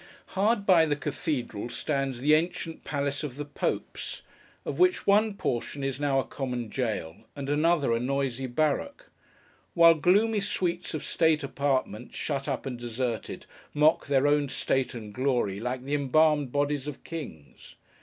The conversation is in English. Hard by the cathedral stands the ancient Palace of the Popes, of which one portion is now a common jail, and another a noisy barrack: while gloomy suites of state apartments, shut up and deserted, mock their own old state and glory, like the embalmed bodies of kings.